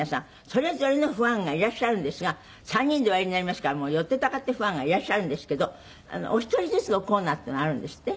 「それぞれのファンがいらっしゃるんですが３人でおやりになりますからもう寄ってたかってファンがいらっしゃるんですけどお一人ずつのコーナーっていうのがあるんですって？」